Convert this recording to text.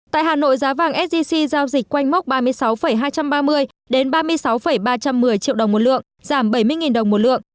tại hà nội giá vàng sgc giao dịch quanh mốc ba mươi sáu hai trăm ba mươi đến ba mươi sáu ba trăm một mươi triệu đồng một lượng giảm bảy mươi đồng một lượng